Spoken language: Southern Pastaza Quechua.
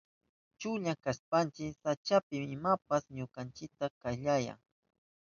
Chunlla kashpanchi sachapi imapas ñukanchita kayllayan.